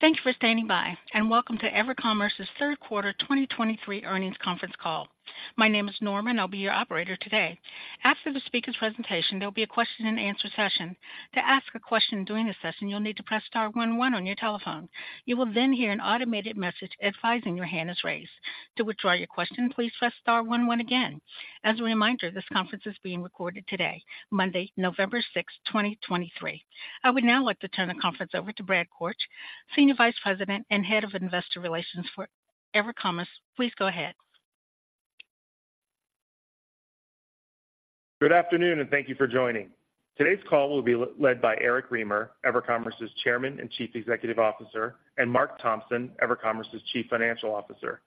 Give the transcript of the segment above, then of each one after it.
Thank you for standing by, and welcome to EverCommerce's Third Quarter 2023 Earnings Conference Call. My name is Norma, and I'll be your operator today. After the speaker's presentation, there'll be a question and answer session. To ask a question during this session, you'll need to press star one one on your telephone. You will then hear an automated message advising your hand is raised. To withdraw your question, please press star one one again. As a reminder, this conference is being recorded today, Monday, November 6, 2023. I would now like to turn the conference over to Brad Korch, Senior Vice President and Head of Investor Relations for EverCommerce. Please go ahead. Good afternoon, and thank you for joining. Today's call will be led by Eric Remer, EverCommerce's Chairman and Chief Executive Officer, and Marc Thompson, EverCommerce's Chief Financial Officer.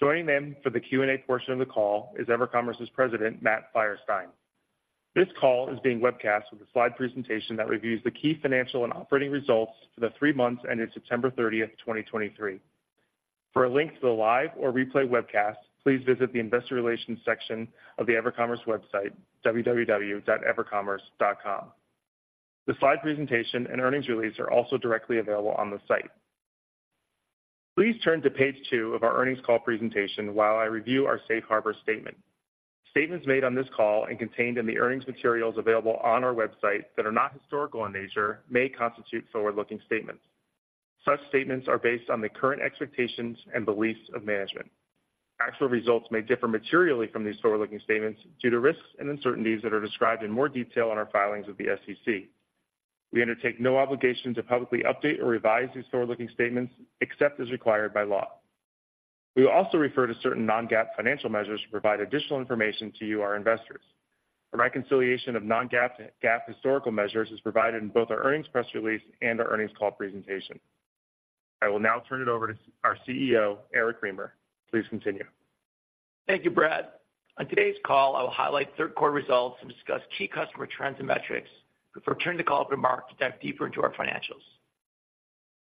Joining them for the Q&A portion of the call is EverCommerce's President, Matt Feierstein. This call is being webcast with a slide presentation that reviews the key financial and operating results for the three months ended September 30, 2023. For a link to the live or replay webcast, please visit the investor relations section of the EverCommerce website, www.evercommerce.com. The slide presentation and earnings release are also directly available on the site. Please turn to page two of our earnings call presentation while I review our Safe Harbor statement. Statements made on this call and contained in the earnings materials available on our website that are not historical in nature, may constitute forward-looking statements. Such statements are based on the current expectations and beliefs of management. Actual results may differ materially from these forward-looking statements due to risks and uncertainties that are described in more detail in our filings with the SEC. We undertake no obligation to publicly update or revise these forward-looking statements, except as required by law. We will also refer to certain non-GAAP financial measures to provide additional information to you, our Investors. A reconciliation of non-GAAP to GAAP historical measures is provided in both our earnings press release and our earnings call presentation. I will now turn it over to our CEO, Eric Remer. Please continue. Thank you, Brad. On today's call, I will highlight third quarter results and discuss key customer trends and metrics before turning to call remarks to dive deeper into our financials.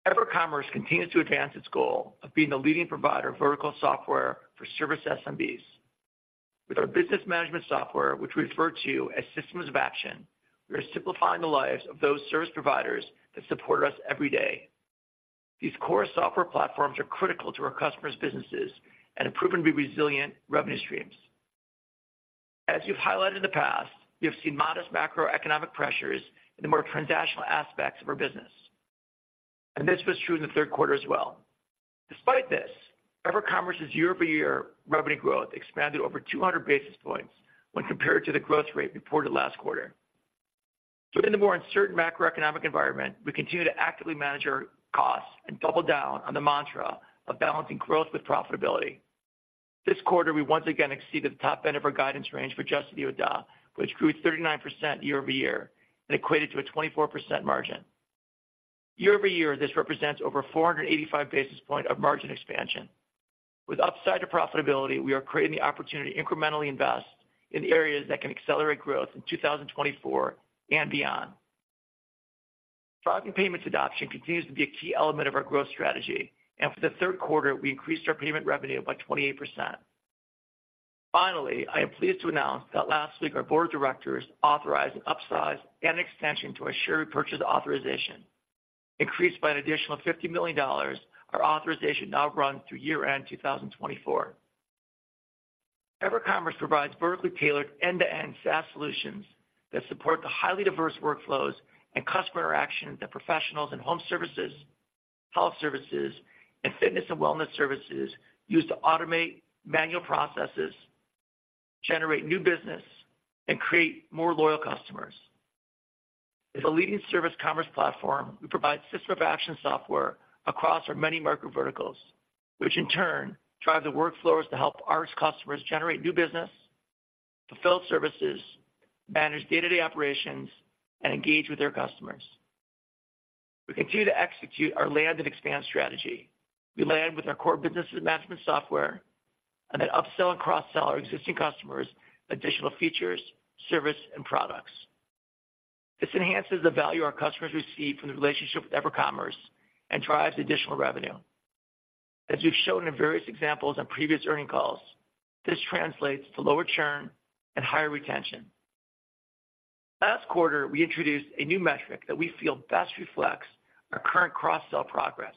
EverCommerce continues to advance its goal of being the leading provider of vertical software for service SMBs. With our business management software, which we refer to as Systems of Action, we are simplifying the lives of those service providers that support us every day. These core software platforms are critical to our customers' businesses and have proven to be resilient revenue streams. As you've highlighted in the past, we have seen modest macroeconomic pressures in the more transactional aspects of our business, and this was true in the third quarter as well. Despite this, EverCommerce's year-over-year revenue growth expanded over 200 basis points when compared to the growth rate reported last quarter. So in the more uncertain macroeconomic environment, we continue to actively manage our costs and double down on the mantra of balancing growth with profitability. This quarter, we once again exceeded the top end of our guidance range for adjusted EBITDA, which grew 39% year-over-year and equated to a 24% margin. Year-over-year, this represents over 485 basis points of margin expansion. With upside to profitability, we are creating the opportunity to incrementally invest in areas that can accelerate growth in 2024 and beyond. Product and payments adoption continues to be a key element of our growth strategy, and for the third quarter, we increased our payment revenue by 28%. Finally, I am pleased to announce that last week, our board of directors authorized an upsize and extension to our share repurchase authorization. Increased by an additional $50 million, our authorization now runs through year-end 2024. EverCommerce provides vertically tailored end-to-end SaaS solutions that support the highly diverse workflows and customer interactions that professionals in home services, health services, and fitness and wellness services use to automate manual processes, generate new business, and create more loyal customers. As a leading service commerce platform, we provide system of action software across our many market verticals, which in turn drive the workflows to help our customers generate new business, fulfill services, manage day-to-day operations, and engage with their customers. We continue to execute our land and expand strategy. We land with our core business management software and then upsell and cross-sell our existing customers additional features, service, and products. This enhances the value our customers receive from the relationship with EverCommerce and drives additional revenue. As we've shown in various examples on previous earnings calls, this translates to lower churn and higher retention. Last quarter, we introduced a new metric that we feel best reflects our current cross-sell progress,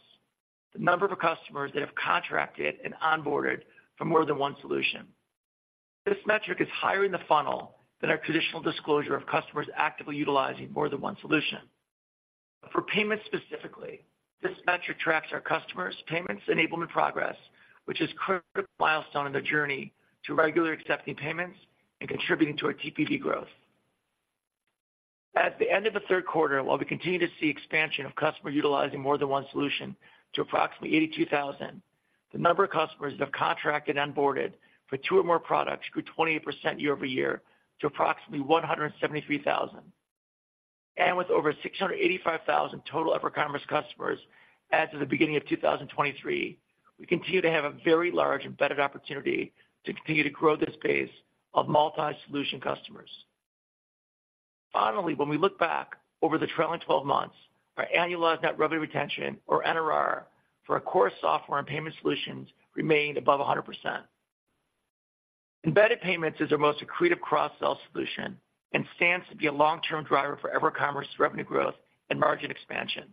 the number of customers that have contracted and onboarded for more than one solution. This metric is higher in the funnel than our traditional disclosure of customers actively utilizing more than one solution. For payments specifically, this metric tracks our customers' payments enablement progress, which is a critical milestone in their journey to regularly accepting payments and contributing to our TPV growth. At the end of the third quarter, while we continue to see expansion of customers utilizing more than one solution to approximately 82,000, the number of customers that have contracted and onboarded for two or more products grew 28% year-over-year to approximately 173,000. With over 685,000 total EverCommerce customers as of the beginning of 2023, we continue to have a very large embedded opportunity to continue to grow this base of multi-solution customers. Finally, when we look back over the trailing twelve months, our annualized net revenue retention, or NRR, for our core software and payment solutions remained above 100%. Embedded payments is our most accretive cross-sell solution and stands to be a long-term driver for EverCommerce revenue growth and margin expansion.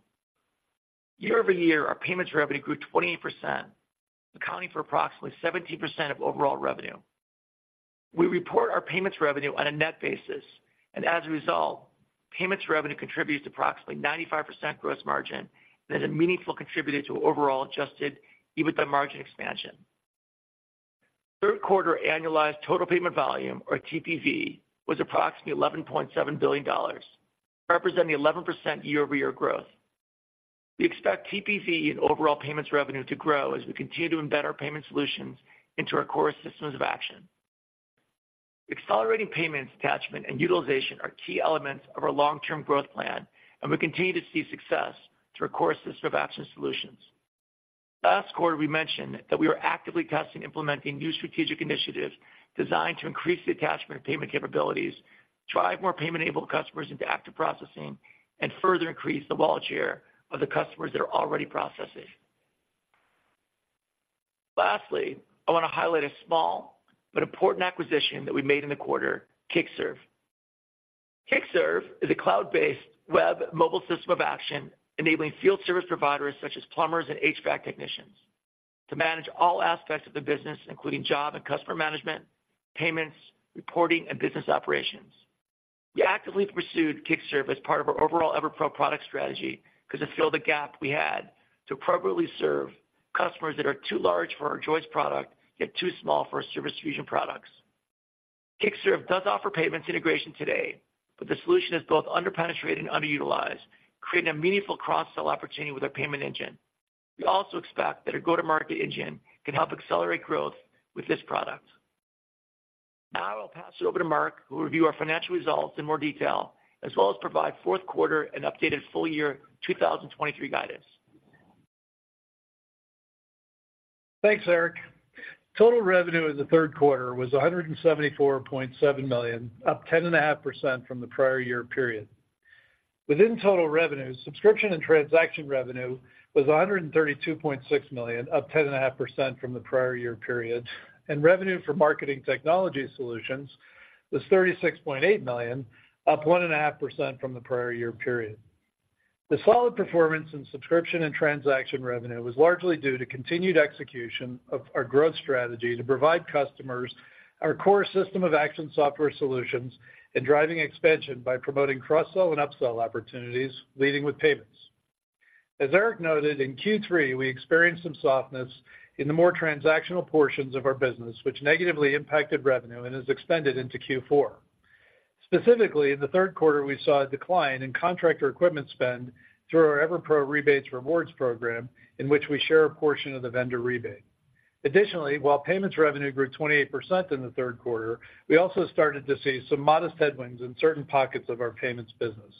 Year-over-year, our payments revenue grew 28%, accounting for approximately 17% of overall revenue. We report our payments revenue on a net basis, and as a result, payments revenue contributes to approximately 95% gross margin and is a meaningful contributor to overall Adjusted EBITDA margin expansion. Third quarter annualized total payment volume, or TPV, was approximately $11.7 billion, representing 11% year-over-year growth. We expect TPV and overall payments revenue to grow as we continue to embed our payment solutions into our core systems of action. Accelerating payments, attachment, and utilization are key elements of our long-term growth plan, and we continue to see success through our core system of action solutions. Last quarter, we mentioned that we are actively testing implementing new strategic initiatives designed to increase the attachment of payment capabilities, drive more payment-enabled customers into active processing, and further increase the wallet share of the customers that are already processing. Lastly, I want to highlight a small but important acquisition that we made in the quarter, Kickserv. Kickserv is a cloud-based web mobile System of Action, enabling field service providers, such as plumbers and HVAC technicians, to manage all aspects of the business, including job and customer management, payments, reporting, and business operations. We actively pursued Kickserv as part of our overall EverPro product strategy because it filled the gap we had to appropriately serve customers that are too large for our Joist product, yet too small for our Service Fusion products. Kickserv does offer payments integration today, but the solution is both under-penetrated and underutilized, creating a meaningful cross-sell opportunity with our payment engine. We also expect that our go-to-market engine can help accelerate growth with this product. Now I'll pass it over to Marc, who will review our financial results in more detail, as well as provide fourth quarter and updated full-year 2023 guidance. Thanks, Eric. Total revenue in the third quarter was $174.7 million, up 10.5% from the prior year period. Within total revenue, subscription and transaction revenue was $132.6 million, up 10.5% from the prior year period, and revenue for marketing technology solutions was $36.8 million, up 1.5% from the prior year period. The solid performance in subscription and transaction revenue was largely due to continued execution of our growth strategy to provide customers our core System of Action software solutions and driving expansion by promoting cross-sell and upsell opportunities, leading with payments. As Eric noted, in Q3, we experienced some softness in the more transactional portions of our business, which negatively impacted revenue and is extended into Q4. Specifically, in the third quarter, we saw a decline in contractor equipment spend through our EverPro rebates rewards program, in which we share a portion of the vendor rebate. Additionally, while payments revenue grew 28% in the third quarter, we also started to see some modest headwinds in certain pockets of our payments business.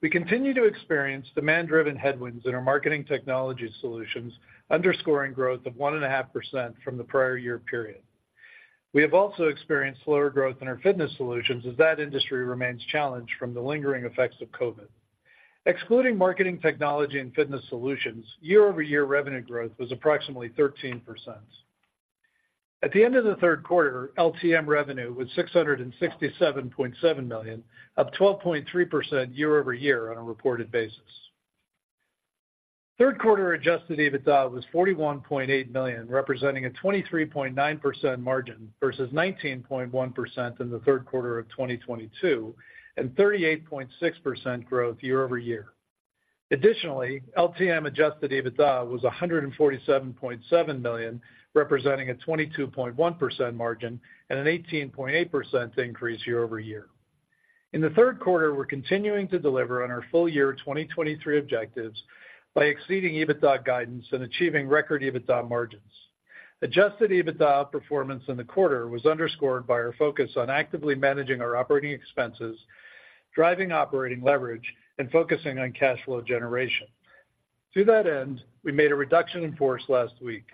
We continue to experience demand-driven headwinds in our marketing technology solutions, underscoring growth of 1.5% from the prior year period. We have also experienced slower growth in our fitness solutions, as that industry remains challenged from the lingering effects of COVID. Excluding marketing, technology, and fitness solutions, year-over-year revenue growth was approximately 13%. At the end of the third quarter, LTM revenue was $667.7 million, up 12.3% year-over-year on a reported basis. Third quarter adjusted EBITDA was $41.8 million, representing a 23.9% margin, versus 19.1% in the third quarter of 2022, and 38.6% growth year-over-year. Additionally, LTM adjusted EBITDA was $147.7 million, representing a 22.1% margin and an 18.8% increase year-over-year. In the third quarter, we're continuing to deliver on our full year 2023 objectives by exceeding EBITDA guidance and achieving record EBITDA margins. Adjusted EBITDA performance in the quarter was underscored by our focus on actively managing our operating expenses, driving operating leverage, and focusing on cash flow generation. To that end, we made a reduction in force last week.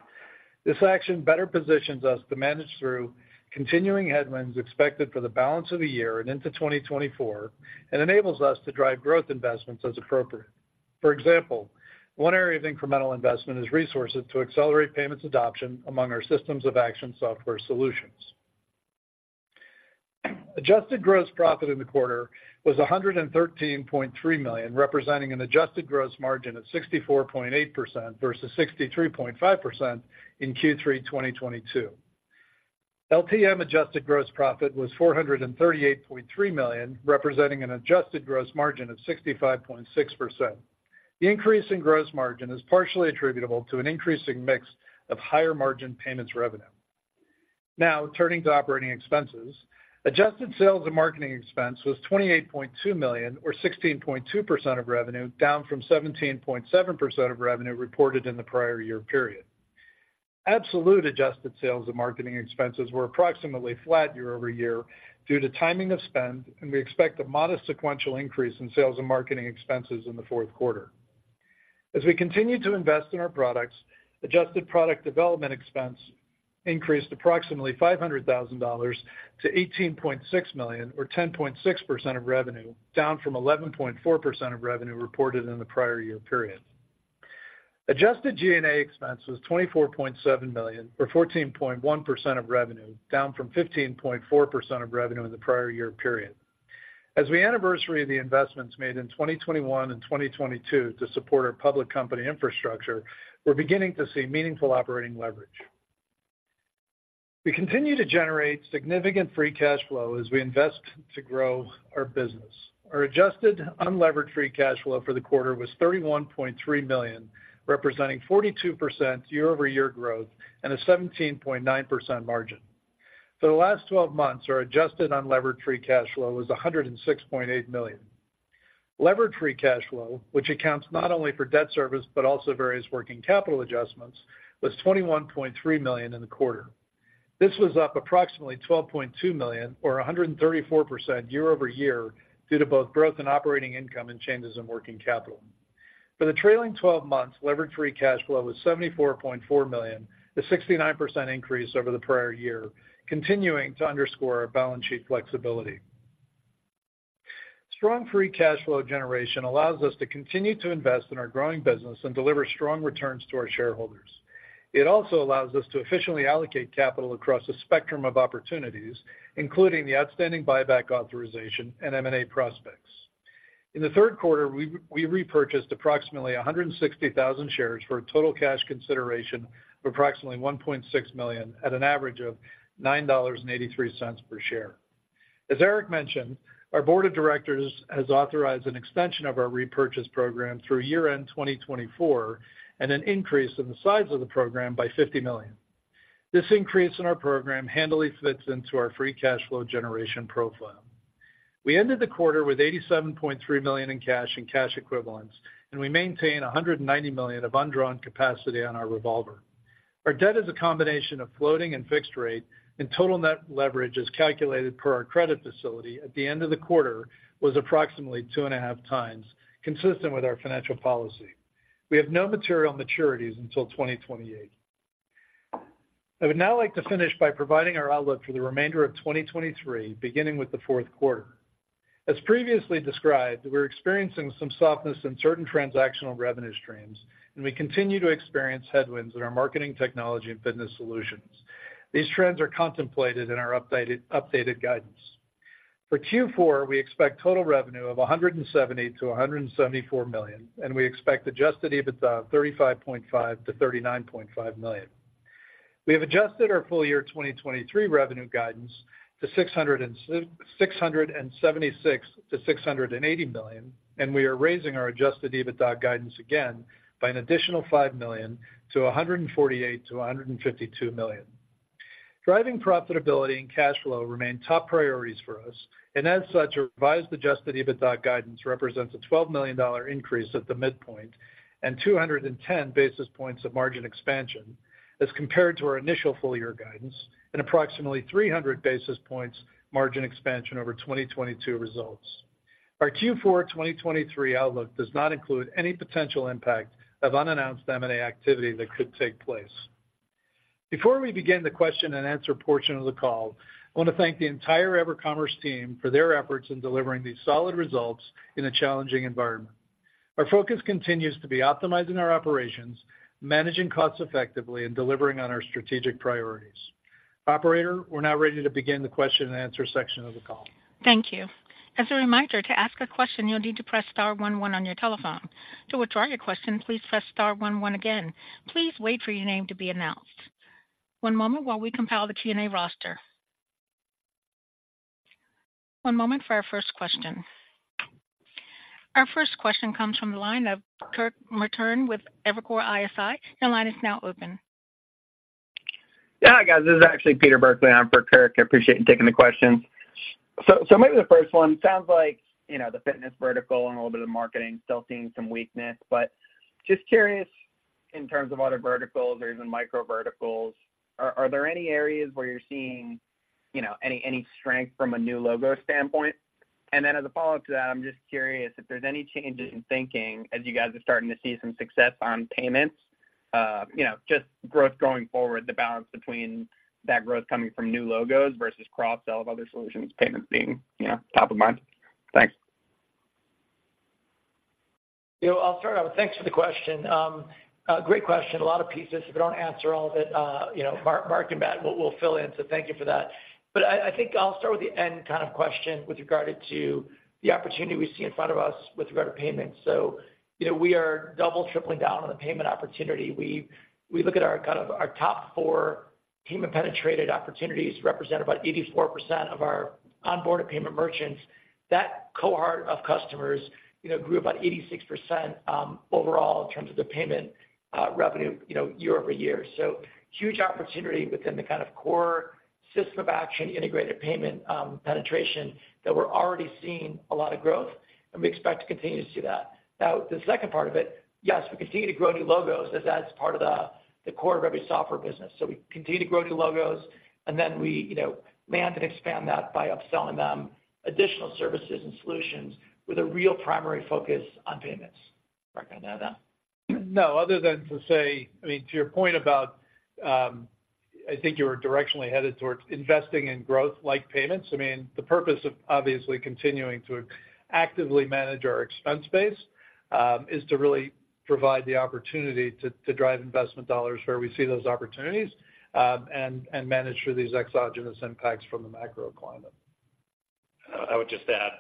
This action better positions us to manage through continuing headwinds expected for the balance of the year and into 2024, and enables us to drive growth investments as appropriate. For example, one area of incremental investment is resources to accelerate payments adoption among our systems of action software solutions. Adjusted gross profit in the quarter was $113.3 million, representing an adjusted gross margin of 64.8% versus 63.5% in Q3 2022. LTM adjusted gross profit was $438.3 million, representing an adjusted gross margin of 65.6%. The increase in gross margin is partially attributable to an increasing mix of higher-margin payments revenue. Now, turning to operating expenses. Adjusted sales and marketing expense was $28.2 million, or 16.2% of revenue, down from 17.7% of revenue reported in the prior year period. Absolute adjusted sales and marketing expenses were approximately flat year-over-year due to timing of spend, and we expect a modest sequential increase in sales and marketing expenses in the fourth quarter. As we continue to invest in our products, adjusted product development expense increased approximately $500,000 to $18.6 million, or 10.6% of revenue, down from 11.4% of revenue reported in the prior year period. Adjusted G&A expense was $24.7 million, or 14.1% of revenue, down from 15.4% of revenue in the prior year period. As we anniversary the investments made in 2021 and 2022 to support our public company infrastructure, we're beginning to see meaningful operating leverage. We continue to generate significant free cash flow as we invest to grow our business. Our adjusted unlevered free cash flow for the quarter was $31.3 million, representing 42% year-over-year growth and a 17.9% margin. For the last twelve months, our adjusted unlevered free cash flow was $106.8 million. Levered free cash flow, which accounts not only for debt service but also various working capital adjustments, was $21.3 million in the quarter. This was up approximately $12.2 million or 134% year-over-year due to both growth in operating income and changes in working capital. For the trailing 12 months, levered free cash flow was $74.4 million, a 69% increase over the prior year, continuing to underscore our balance sheet flexibility. Strong free cash flow generation allows us to continue to invest in our growing business and deliver strong returns to our shareholders. It also allows us to efficiently allocate capital across a spectrum of opportunities, including the outstanding buyback authorization and M&A prospects. In the third quarter, we repurchased approximately 160,000 shares for a total cash consideration of approximately $1.6 million at an average of $9.83 per share. As Eric mentioned, our board of directors has authorized an extension of our repurchase program through year-end 2024, and an increase in the size of the program by $50 million. This increase in our program handily fits into our free cash flow generation profile. We ended the quarter with $87.3 million in cash and cash equivalents, and we maintain $190 million of undrawn capacity on our revolver. Our debt is a combination of floating and fixed rate, and total net leverage is calculated per our credit facility at the end of the quarter, was approximately 2.5x, consistent with our financial policy. We have no material maturities until 2028. I would now like to finish by providing our outlook for the remainder of 2023, beginning with the fourth quarter. As previously described, we're experiencing some softness in certain transactional revenue streams, and we continue to experience headwinds in our marketing, technology, and fitness solutions. These trends are contemplated in our updated, updated guidance. For Q4, we expect total revenue of $170 million-$174 million, and we expect adjusted EBITDA of $35.5 million-$39.5 million. We have adjusted our full year 2023 revenue guidance to $676 million-$680 million, and we are raising our adjusted EBITDA guidance again by an additional $5 million to $148 million-$152 million. Driving profitability and cash flow remain top priorities for us, and as such, our revised adjusted EBITDA guidance represents a $12 million increase at the midpoint and 210 basis points of margin expansion as compared to our initial full year guidance, and approximately 300 basis points margin expansion over 2022 results. Our Q4 2023 outlook does not include any potential impact of unannounced M&A activity that could take place. Before we begin the question and answer portion of the call, I want to thank the entire EverCommerce team for their efforts in delivering these solid results in a challenging environment. Our focus continues to be optimizing our operations, managing costs effectively, and delivering on our strategic priorities. Operator, we're now ready to begin the question and answer section of the call. Thank you. As a reminder, to ask a question, you'll need to press star one one on your telephone. To withdraw your question, please press star one one again. Please wait for your name to be announced. One moment while we compile the Q&A roster. One moment for our first question. Our first question comes from the line of Kirk Materne with Evercore ISI. Your line is now open. Yeah, hi, guys. This is actually Peter Burkly in for Kirk. I appreciate you taking the questions. So maybe the first one, sounds like, you know, the fitness vertical and a little bit of marketing still seeing some weakness. But just curious, in terms of other verticals or even micro verticals, are there any areas where you're seeing, you know, any strength from a new logo standpoint? And then as a follow-up to that, I'm just curious if there's any changes in thinking as you guys are starting to see some success on payments, you know, just growth going forward, the balance between that growth coming from new logos versus cross-sell of other solutions, payments being, you know, top of mind. Thanks. You know, I'll start out. Thanks for the question. A great question, a lot of pieces. If I don't answer all of it, you know, Marc and Matt will fill in, so thank you for that. But I think I'll start with the end kind of question with regard to the opportunity we see in front of us with regard to payments. So you know, we are double, tripling down on the payment opportunity. We look at our kind of our top four payment-penetrated opportunities, represent about 84% of our onboard of payment merchants. That cohort of customers, you know, grew about 86% overall in terms of the payment revenue, you know, year-over-year. So huge opportunity within the kind of core system of action, integrated payment, penetration, that we're already seeing a lot of growth, and we expect to continue to see that. Now, the second part of it, yes, we continue to grow new logos as that's part of the core of every software business. So we continue to grow new logos, and then we, you know, land and expand that by upselling them additional services and solutions with a real primary focus on payments. Marc, anything to add on? No, other than to say, I mean, to your point about, I think you were directionally headed towards investing in growth like payments. I mean, the purpose of obviously continuing to actively manage our expense base, is to really provide the opportunity to drive investment dollars where we see those opportunities, and manage through these exogenous impacts from the macro climate. I would just add,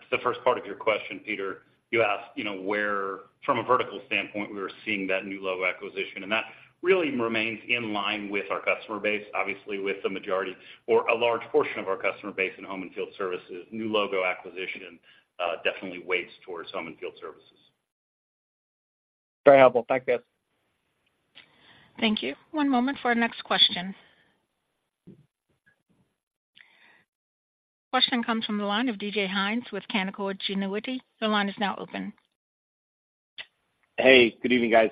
to the first part of your question, Peter, you asked, you know, where from a vertical standpoint, we were seeing that new logo acquisition, and that really remains in line with our customer base, obviously, with the majority or a large portion of our customer base in home and field services, new logo acquisition, definitely weighs towards home and field services. Very helpful. Thank you, guys. Thank you. One moment for our next question. Question comes from the line of DJ Hynes with Canaccord Genuity. The line is now open. Hey, good evening, guys.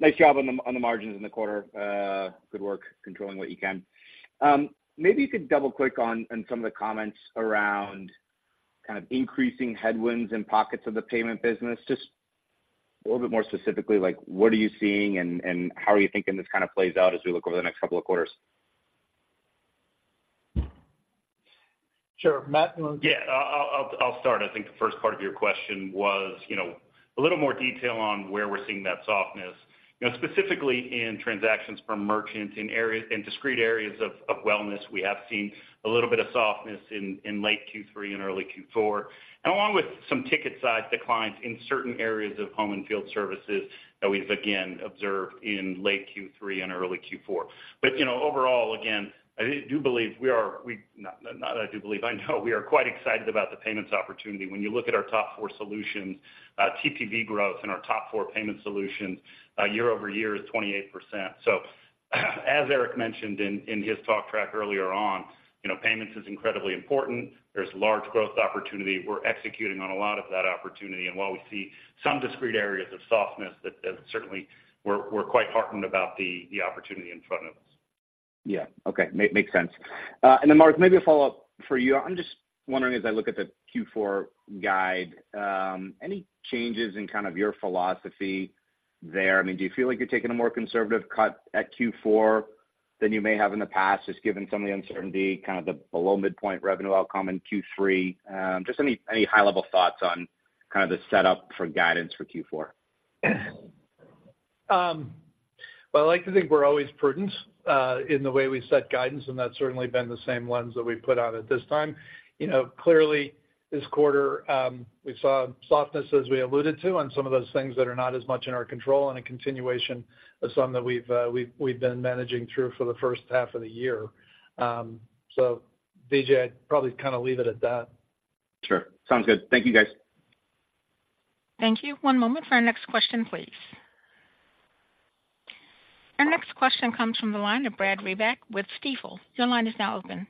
Nice job on the margins in the quarter. Good work controlling what you can. Maybe you could double-click on some of the comments around kind of increasing headwinds in pockets of the payment business. Just a little bit more specifically, like, what are you seeing and how are you thinking this kind of plays out as we look over the next couple of quarters? Sure, Matt? Yeah, I'll start. I think the first part of your question was, you know, a little more detail on where we're seeing that softness. You know, specifically in transactions from merchants in areas in discrete areas of wellness, we have seen a little bit of softness in late Q3 and early Q4, and along with some ticket size declines in certain areas of home and field services that we've again observed in late Q3 and early Q4. But, you know, overall, again, I do believe we are we, not I do believe, I know we are quite excited about the payments opportunity. When you look at our top four solutions, TPV growth in our top four payment solutions, year-over-year is 28%. So as Eric mentioned in his talk track earlier on, you know, payments is incredibly important. There's large growth opportunity. We're executing on a lot of that opportunity. While we see some discrete areas of softness, that certainly we're quite heartened about the opportunity in front of us. Yeah. Okay, makes sense. And then, Marc, maybe a follow-up for you. I'm just wondering, as I look at the Q4 guide, any changes in kind of your philosophy there? I mean, do you feel like you're taking a more conservative cut at Q4 than you may have in the past, just given some of the uncertainty, kind of the below midpoint revenue outcome in Q3? Just any high-level thoughts on kind of the setup for guidance for Q4? Well, I like to think we're always prudent in the way we set guidance, and that's certainly been the same lens that we've put out at this time. You know, clearly, this quarter, we saw softness, as we alluded to, on some of those things that are not as much in our control and a continuation of some that we've been managing through for the first half of the year. So DJ, I'd probably kind of leave it at that. Sure. Sounds good. Thank you, guys. Thank you. One moment for our next question, please. Our next question comes from the line of Brad Reback with Stifel. Your line is now open.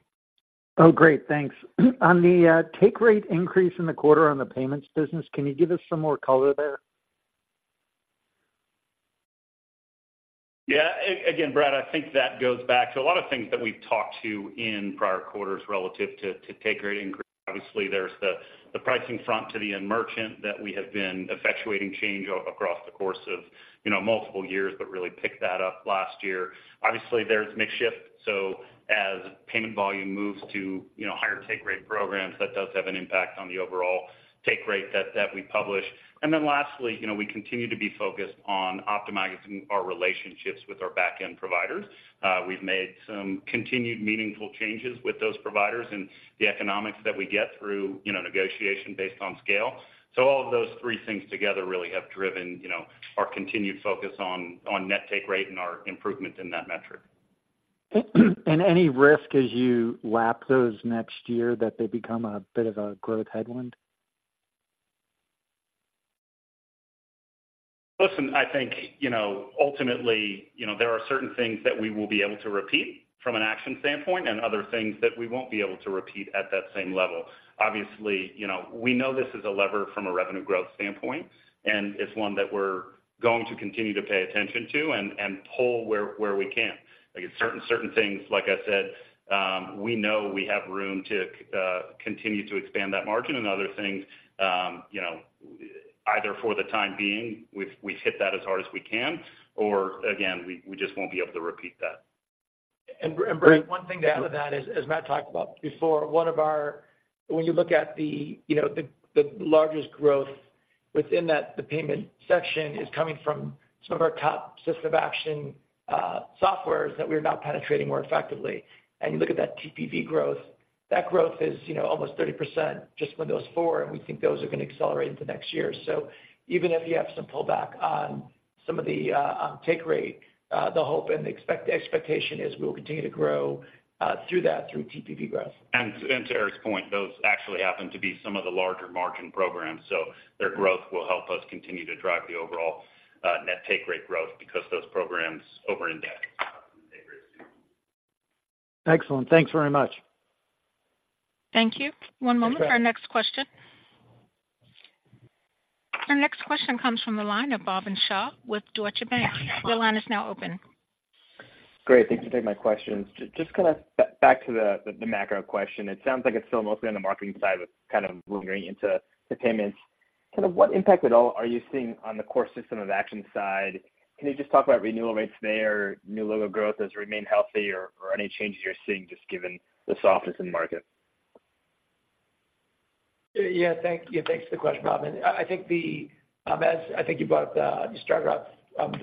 Oh, great. Thanks. On the take rate increase in the quarter on the payments business, can you give us some more color there? Yeah. Again, Brad, I think that goes back to a lot of things that we've talked to in prior quarters relative to take rate increase. Obviously, there's the pricing front to the end merchant that we have been effectuating change across the course of, you know, multiple years, but really picked that up last year. Obviously, there's mix shift, so as payment volume moves to, you know, higher take rate programs, that does have an impact on the overall take rate that we publish. And then lastly, you know, we continue to be focused on optimizing our relationships with our back-end providers. We've made some continued meaningful changes with those providers and the economics that we get through, you know, negotiation based on scale. All of those three things together really have driven, you know, our continued focus on, on net take rate and our improvements in that metric. Any risk as you lap those next year, that they become a bit of a growth headwind? Listen, I think, you know, ultimately, you know, there are certain things that we will be able to repeat from an action standpoint and other things that we won't be able to repeat at that same level. Obviously, you know, we know this is a lever from a revenue growth standpoint, and it's one that we're going to continue to pay attention to and pull where we can. Like, certain things, like I said, we know we have room to continue to expand that margin and other things, you know, either for the time being, we've hit that as hard as we can, or again, we just won't be able to repeat that. And Brad, one thing to add to that is, as Matt talked about before, one of our, when you look at the, you know, the largest growth within that, the payment section is coming from some of our top system of action softwares that we're now penetrating more effectively. And you look at that TPV growth, that growth is, you know, almost 30% just with those four, and we think those are going to accelerate into next year. So even if you have some pullback on some of the, on take rate, the hope and the expectation is we'll continue to grow, through that, through TPV growth. To Eric's point, those actually happen to be some of the larger margin programs, so their growth will help us continue to drive the overall net take rate growth because those programs over-index in take rate. Excellent. Thanks very much. Thank you. One moment for our next question. Our next question comes from the line of Bhavin Shah with Deutsche Bank. Your line is now open. Great. Thanks for taking my questions. Just kind of back to the macro question. It sounds like it's still mostly on the marketing side, but kind of wandering into the payments, kind of what impact at all are you seeing on the core System of Action side? Can you just talk about renewal rates there, new logo growth has remained healthy or any changes you're seeing just given the softness in the market? Yeah, thank you. Thanks for the question, Bhavin. I think the, as I think you brought up, you started off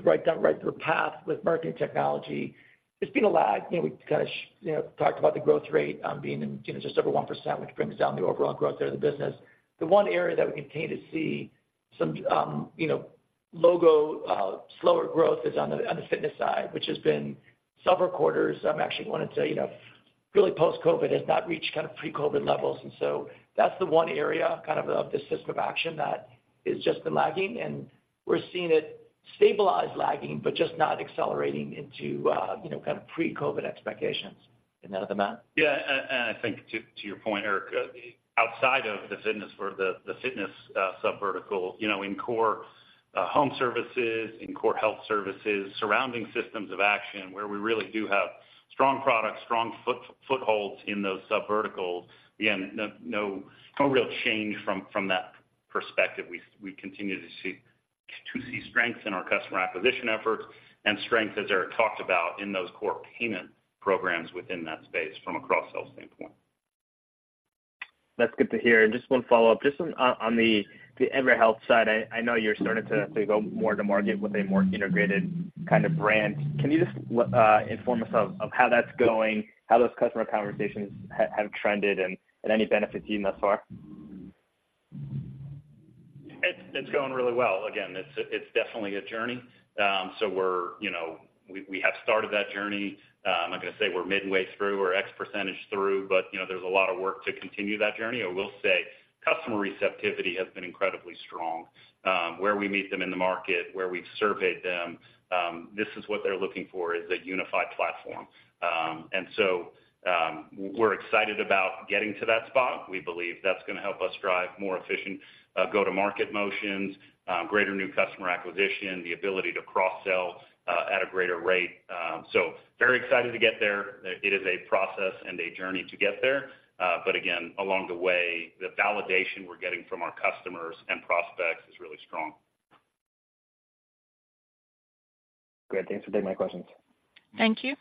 right down the path with marketing technology, there's been a lag. You know, we kind of you know, talked about the growth rate being in, you know, just over 1%, which brings down the overall growth there of the business. The one area that we continue to see some you know, lower slower growth is on the fitness side, which has been several quarters. Actually wanted to you know, really post-COVID, has not reached kind of pre-COVID levels. And so that's the one area, kind of, of the System of Action that has just been lagging, and we're seeing it stabilize lagging, but just not accelerating into you know, kind of pre-COVID expectations. Then to Matt? Yeah, and I think to your point, Eric, outside of the fitness or the fitness subvertical, you know, in core home services, in core health services, surrounding systems of action, where we really do have strong products, strong footholds in those subverticals, again, no real change from that perspective. We continue to see strength in our customer acquisition efforts and strength, as Eric talked about, in those core payment programs within that space from a cross-sell standpoint. That's good to hear. Just one follow-up. Just on the EverHealth side, I know you're starting to go more to market with a more integrated kind of brand. Can you just inform us of how that's going, how those customer conversations have trended and any benefits you've seen thus far? It's going really well. Again, it's definitely a journey. So we're, you know, we have started that journey. I'm not going to say we're midway through or X percentage through, but you know, there's a lot of work to continue that journey. I will say customer receptivity has been incredibly strong. Where we meet them in the market, where we've surveyed them, this is what they're looking for, is a unified platform. And so, we're excited about getting to that spot. We believe that's going to help us drive more efficient go-to-market motions, greater new customer acquisition, the ability to cross-sell at a greater rate. So very excited to get there. It is a process and a journey to get there. But again, along the way, the validation we're getting from our customers and prospects is really strong. Great. Thanks for taking my questions. Thank you.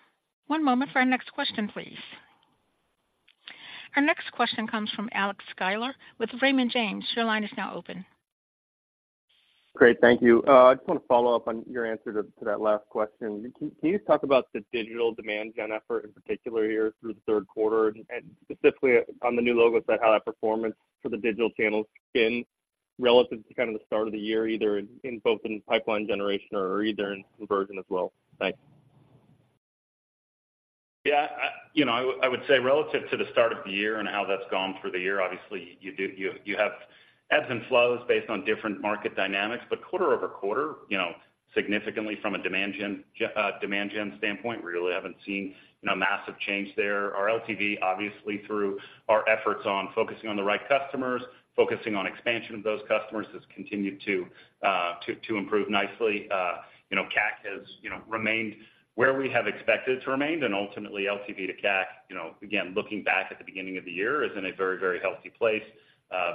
One moment for our next question, please. Our next question comes from Alexander Sklar with Raymond James. Your line is now open. Great, thank you. I just want to follow up on your answer to that last question. Can you just talk about the digital demand gen effort, in particular, here through the third quarter, and specifically on the new logo side, how that performance for the digital channels been relative to kind of the start of the year, either in both pipeline generation or in conversion as well? Thanks. Yeah, you know, I would say relative to the start of the year and how that's gone through the year, obviously, you have ebbs and flows based on different market dynamics, but quarter-over-quarter, you know, significantly from a demand gen standpoint, we really haven't seen, you know, massive change there. Our LTV, obviously, through our efforts on focusing on the right customers, focusing on expansion of those customers, has continued to improve nicely. You know, CAC has, you know, remained where we have expected it to remain, and ultimately, LTV to CAC, you know, again, looking back at the beginning of the year, is in a very, very healthy place.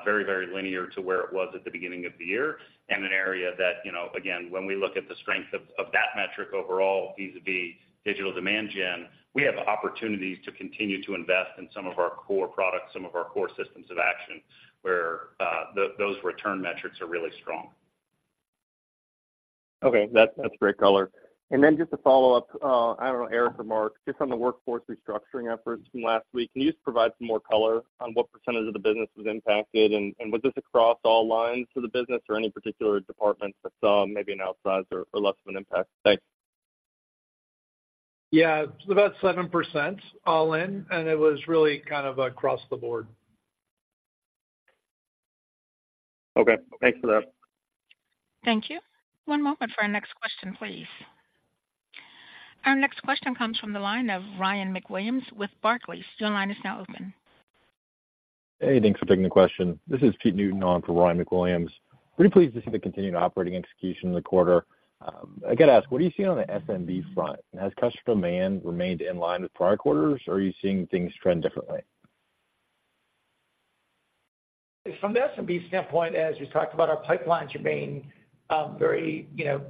Very, very linear to where it was at the beginning of the year. An area that, you know, again, when we look at the strength of, of that metric overall, B2B, digital demand gen, we have opportunities to continue to invest in some of our core products, some of our core Systems of Action, where those return metrics are really strong. Okay. That's, that's great color. And then just to follow up, I don't know, Eric or Marc, just on the workforce restructuring efforts from last week, can you just provide some more color on what percentage of the business was impacted? And, and was this across all lines of the business or any particular departments that saw maybe an outsize or, or less of an impact? Thanks. Yeah, about 7% all in, and it was really kind of across the board. Okay. Thanks for that. Thank you. One moment for our next question, please. Our next question comes from the line of Ryan MacWilliams with Barclays. Your line is now open. Hey, thanks for taking the question. This is Pete Newton on for Ryan MacWilliams. Pretty pleased to see the continued operating execution in the quarter. I got to ask, what are you seeing on the SMB front? And has customer demand remained in line with prior quarters, or are you seeing things trend differently? From the SMB standpoint, as you talked about, our pipelines remain, very, you know,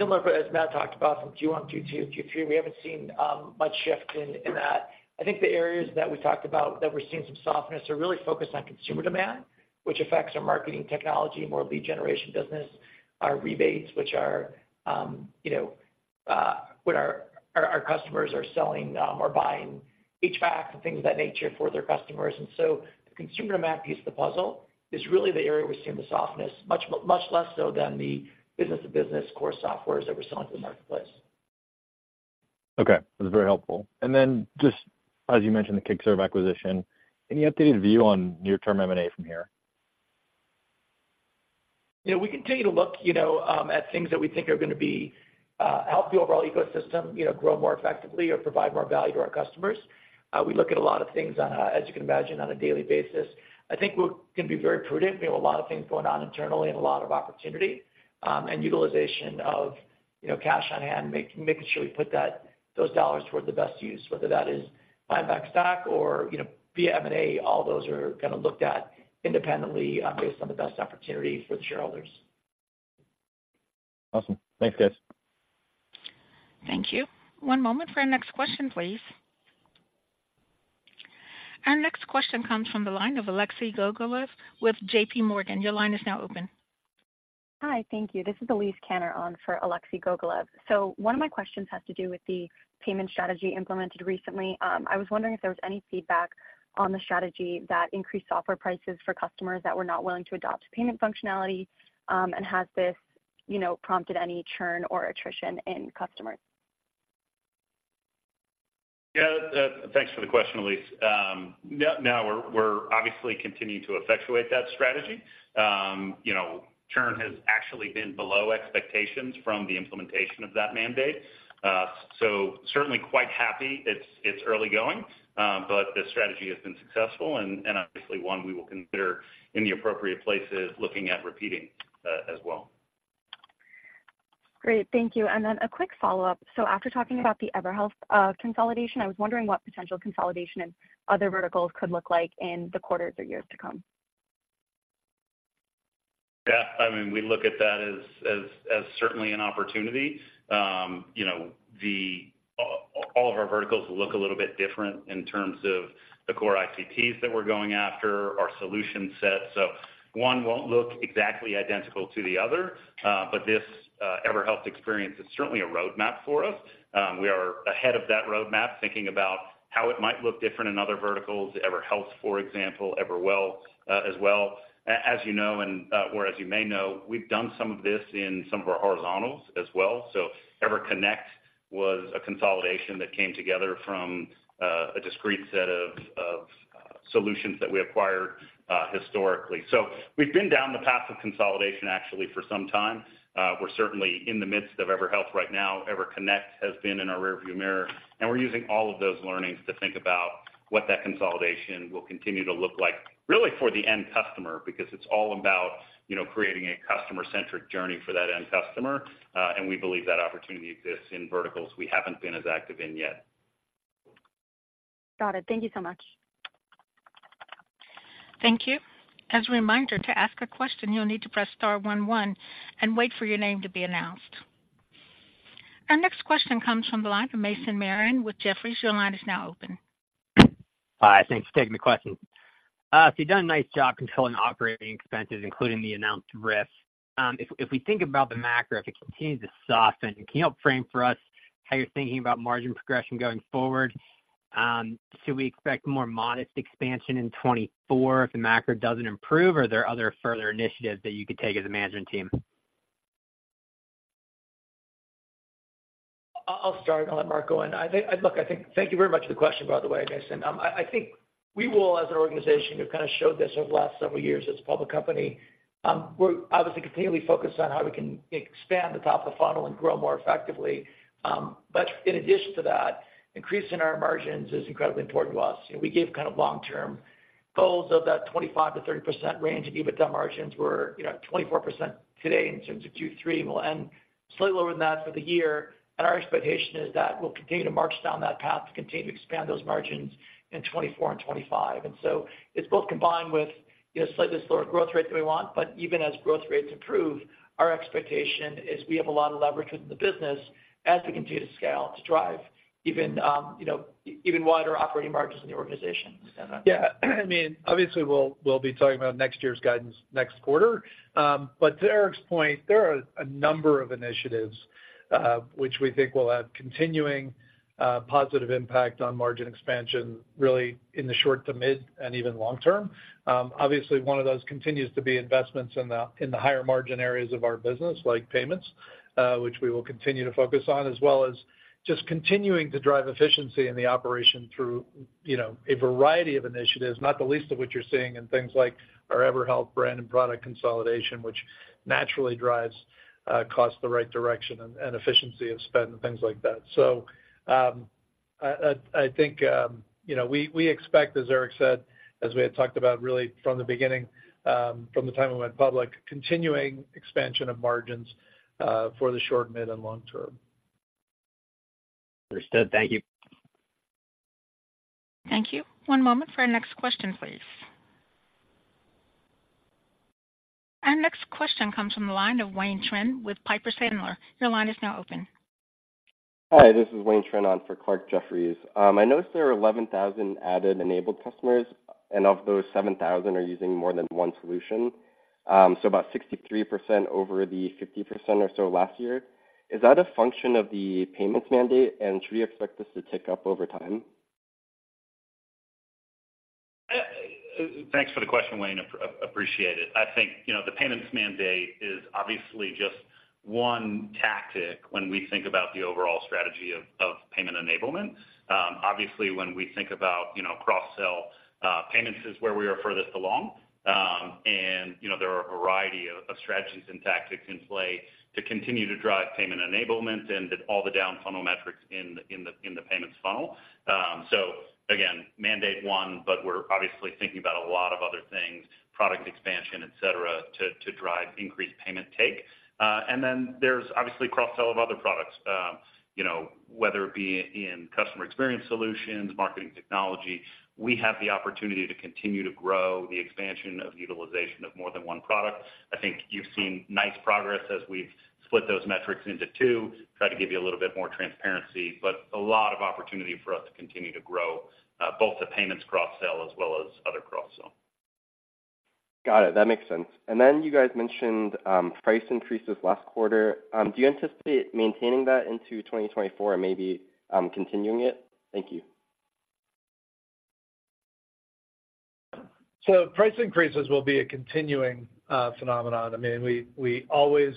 similar, but as Matt talked about from Q1, Q2, Q3, we haven't seen, much shift in that. I think the areas that we talked about that we're seeing some softness are really focused on consumer demand, which affects our marketing technology, more lead generation business, our rebates, which are, you know, what our customers are selling, or buying, HVAC and things of that nature for their customers. And so the consumer demand piece of the puzzle is really the area we're seeing the softness, much, much less so than the business to business core softwares that we're selling to the marketplace. Okay. That's very helpful. Then just as you mentioned, the Kickserv acquisition, any updated view on near-term M&A from here? You know, we continue to look, you know, at things that we think are gonna be help the overall ecosystem, you know, grow more effectively or provide more value to our customers. We look at a lot of things on a, as you can imagine, on a daily basis. I think we're gonna be very prudent. We have a lot of things going on internally and a lot of opportunity, and utilization of, you know, cash on hand, making sure we put those dollars toward the best use, whether that is buying back stock or, you know, via M&A, all those are kind of looked at independently, based on the best opportunity for the shareholders. Awesome. Thanks, guys. Thank you. One moment for our next question, please. Our next question comes from the line of Aleksey Gogolev with JPMorgan. Your line is now open. Hi, thank you. This is Elyse Kanner on for Aleksey Gogolev. One of my questions has to do with the payment strategy implemented recently. I was wondering if there was any feedback on the strategy that increased software prices for customers that were not willing to adopt payment functionality, and has this, you know, prompted any churn or attrition in customers? Yeah, thanks for the question, Elyse. Yeah, no, we're, we're obviously continuing to effectuate that strategy. You know, churn has actually been below expectations from the implementation of that mandate. So certainly quite happy. It's, it's early going, but the strategy has been successful and, and obviously one we will consider in the appropriate places, looking at repeating, as well. Great. Thank you. And then a quick follow-up. So after talking about the EverHealth, consolidation, I was wondering what potential consolidation and other verticals could look like in the quarters or years to come? Yeah, I mean, we look at that as certainly an opportunity. You know, the all of our verticals look a little bit different in terms of the core ICPs that we're going after, our solution set. So one won't look exactly identical to the other, but this EverHealth experience is certainly a roadmap for us. We are ahead of that roadmap, thinking about how it might look different in other verticals, EverHealth, for example, EverWell, as well. As you know, and or as you may know, we've done some of this in some of our horizontals as well. So EverConnect was a consolidation that came together from a discrete set of solutions that we acquired historically. So we've been down the path of consolidation, actually, for some time. We're certainly in the midst of EverHealth right now. EverConnect has been in our rearview mirror, and we're using all of those learnings to think about what that consolidation will continue to look like, really, for the end customer, because it's all about, you know, creating a customer-centric journey for that end customer. And we believe that opportunity exists in verticals we haven't been as active in yet. Got it. Thank you so much. Thank you. As a reminder, to ask a question, you'll need to press star one one and wait for your name to be announced. Our next question comes from the line of Mason Marion with Jefferies. Your line is now open. Hi, thanks for taking the question. So you've done a nice job controlling operating expenses, including the announced risks. If, if we think about the macro, if it continues to soften, can you help frame for us how you're thinking about margin progression going forward? Should we expect more modest expansion in 2024 if the macro doesn't improve, or are there other further initiatives that you could take as a management team? I'll start, and I'll let Marc go on. I think, look, I think. Thank you very much for the question, by the way, Mason. I think we will, as an organization, we've kind of showed this over the last several years as a public company. We're obviously continually focused on how we can expand the top of the funnel and grow more effectively. But in addition to that, increasing our margins is incredibly important to us. You know, we gave kind of long-term goals of that 25%-30% range, and EBITDA margins were, you know, 24% today in terms of Q3, and we'll end slightly lower than that for the year. And our expectation is that we'll continue to march down that path to continue to expand those margins in 2024 and 2025. And so it's both combined with, you know, slightly slower growth rate than we want, but even as growth rates improve, our expectation is we have a lot of leverage within the business as we continue to scale to drive even, you know, even wider operating margins in the organization. Yeah, I mean, obviously, we'll be talking about next year's guidance next quarter. But to Eric's point, there are a number of initiatives, which we think will have continuing positive impact on margin expansion, really, in the short to mid and even long term. Obviously, one of those continues to be investments in the higher margin areas of our business, like payments, which we will continue to focus on, as well as just continuing to drive efficiency in the operation through, you know, a variety of initiatives, not the least of which you're seeing in things like our EverHealth brand and product consolidation, which naturally drives costs the right direction and efficiency of spend and things like that. So, I think, you know, we expect, as Eric said, as we had talked about really from the beginning, from the time we went public, continuing expansion of margins, for the short, mid, and long term. Understood. Thank you. Thank you. One moment for our next question, please. Our next question comes from the line of Wayne Trinh with Piper Sandler. Your line is now open. Hi, this is Wayne Trinh on for Clarke Jeffries. I noticed there are 11,000 added enabled customers, and of those, 7,000 are using more than one solution. So about 63% over the 50% or so last year. Is that a function of the payments mandate, and should we expect this to tick up over time? Thanks for the question, Wayne. Appreciate it. I think, you know, the payments mandate is obviously just one tactic when we think about the overall strategy of payment enablement. Obviously, when we think about, you know, cross-sell, payments is where we are furthest along. And, you know, there are a variety of strategies and tactics in play to continue to drive payment enablement and all the down funnel metrics in the payments funnel. So again, mandate one, but we're obviously thinking about a lot of other things - product expansion, et cetera, to drive increased payment take. And then there's obviously cross-sell of other products. You know, whether it be in customer experience solutions, marketing technology, we have the opportunity to continue to grow the expansion of utilization of more than one product. I think you've seen nice progress as we've split those metrics into two, try to give you a little bit more transparency, but a lot of opportunity for us to continue to grow, both the payments cross-sell as well as other cross-sell. Got it. That makes sense. And then you guys mentioned price increases last quarter. Do you anticipate maintaining that into 2024 and maybe continuing it? Thank you. So price increases will be a continuing phenomenon. I mean, we, we always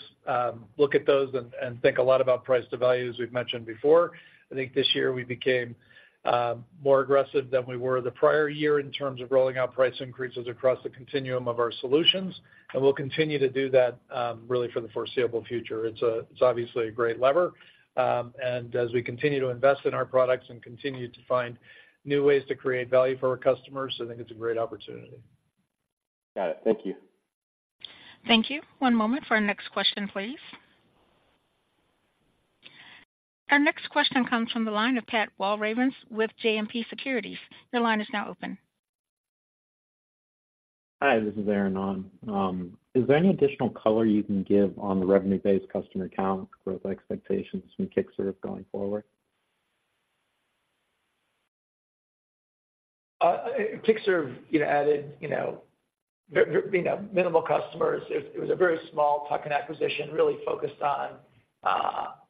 look at those and, and think a lot about price to value, as we've mentioned before. I think this year we became more aggressive than we were the prior year in terms of rolling out price increases across the continuum of our solutions, and we'll continue to do that really for the foreseeable future. It's obviously a great lever, and as we continue to invest in our products and continue to find new ways to create value for our customers, I think it's a great opportunity. Got it. Thank you. Thank you. One moment for our next question, please. Our next question comes from the line of Pat Walravens with JMP Securities. Your line is now open. Hi, this is Aaron on. Is there any additional color you can give on the revenue-based customer count growth expectations from Kickserv going forward? Kickserv, you know, added, you know, very, you know, minimal customers. It, it was a very small tuck-in acquisition, really focused on,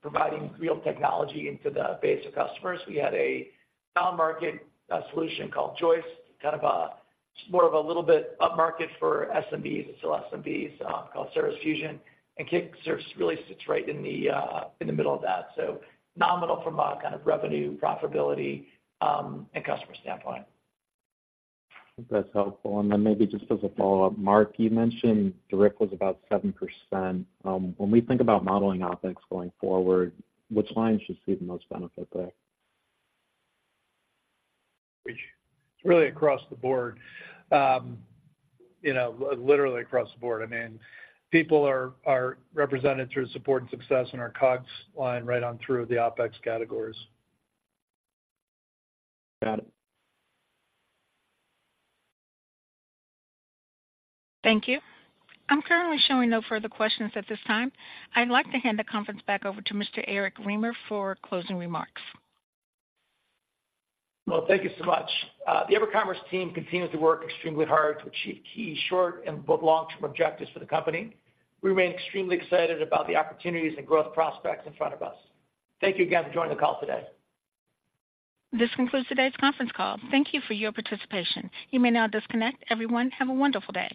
providing real technology into the base of customers. We had a downmarket, solution called Joist, kind of a, more of a little bit upmarket for SMBs and still SMBs, called Service Fusion, and Kickserv really sits right in the, in the middle of that. So nominal from a kind of revenue, profitability, and customer standpoint. That's helpful. And then maybe just as a follow-up, Marc, you mentioned direct was about 7%. When we think about modeling OpEx going forward, which lines should see the most benefit there? It's really across the board. You know, literally across the board. I mean, people are represented through support and success in our COGS line, right on through the OpEx categories. Got it. Thank you. I'm currently showing no further questions at this time. I'd like to hand the conference back over to Mr. Eric Remer for closing remarks. Well, thank you so much. The EverCommerce team continues to work extremely hard to achieve key short and both long-term objectives for the company. We remain extremely excited about the opportunities and growth prospects in front of us. Thank you again for joining the call today. This concludes today's conference call. Thank you for your participation. You may now disconnect. Everyone, have a wonderful day.